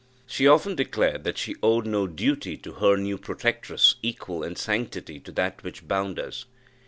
She often declared that she owed no duty to her new protectress equal in sanctity to that which bound us.